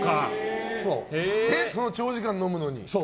長時間飲むのに？